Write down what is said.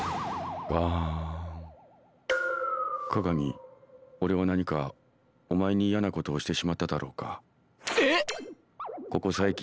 利見俺は何かお前に嫌なことをしてしまっただろうか？